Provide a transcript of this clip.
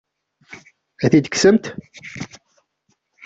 Ad tt-id-tekksemt?